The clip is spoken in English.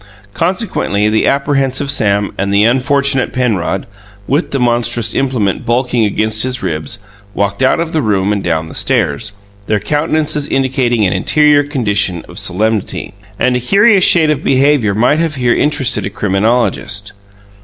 Consequently, the apprehensive Sam and the unfortunate Penrod (with the monstrous implement bulking against his ribs) walked out of the room and down the stairs, their countenances indicating an interior condition of solemnity. And a curious shade of behaviour might have here interested a criminologist.